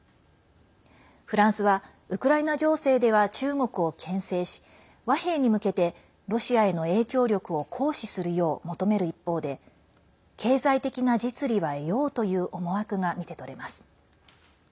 フランスは、ウクライナ情勢では中国をけん制し和平に向けてロシアへの影響力を行使するよう求める一方で経済的な実利は得ようという思惑が見て取れます。